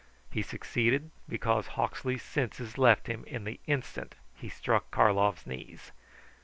He succeeded because Hawksley's senses left him in the instant he struck Karlov's knees.